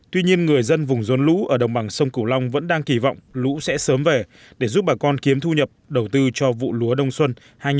tuy nhiên người dân vùng dồn lũ ở đồng bằng sông cửu long vẫn đang kỳ vọng lũ sẽ sớm về để giúp bà con kiếm thu nhập đầu tư cho vụ lúa đông xuân hai nghìn một mươi chín hai nghìn hai mươi